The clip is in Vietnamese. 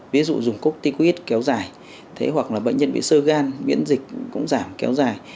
ví dụ dùng corticoid kéo dài hoặc là bệnh nhân bị sơ gan biễn dịch cũng giảm kéo dài